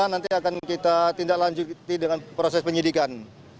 nanti akan kita tindak lanjuti dengan proses penyidikan